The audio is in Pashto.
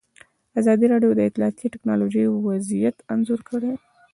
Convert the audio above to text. ازادي راډیو د اطلاعاتی تکنالوژي وضعیت انځور کړی.